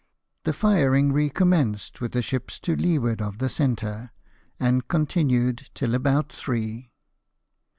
The firing recommenced with the ships to leeward of the centre, and continued till about three.